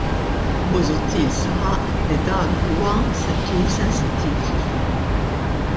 Busuttil saħaq li dan huwa settur sensittiv ħafna.